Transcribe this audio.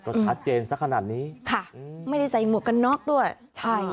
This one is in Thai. ก็ชัดเจนสักขนาดนี้ค่ะอืมไม่ได้ใส่หมวกกันน็อกด้วยใช่